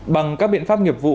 bằng các biện pháp nghiệp vụ